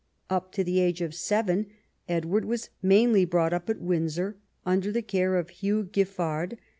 Up to the age of seven Edward was mainly brought up at Windsor under the care of Hugh Giffard.